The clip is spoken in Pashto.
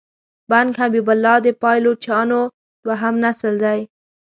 بنګ حبیب الله د پایلوچانو دوهم نسل دی.